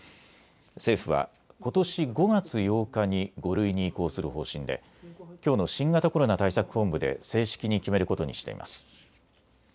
政府は、ことし５月８日に５類に移行する方針できょうの新型コロナ対策本部で正式に決めることにしています。